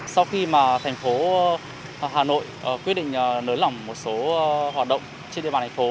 sau khi mà thành phố hà nội quyết định nới lỏng một số hoạt động trên địa bàn thành phố